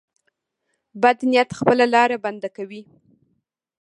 بد نیت خپله لار بنده کوي.